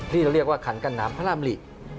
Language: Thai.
นี่เราเรียกว่าขันกั้นน้ำพระรามริ